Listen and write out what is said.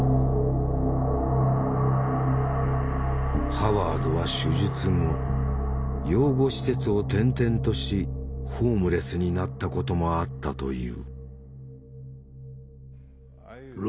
ハワードは手術後養護施設を転々としホームレスになったこともあったという。